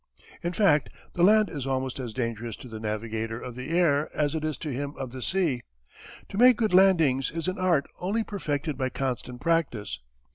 In fact the land is almost as dangerous to the navigator of the air as it is to him of the sea. To make good landings is an art only perfected by constant practice.